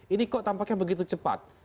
ini kok tampaknya begitu cepat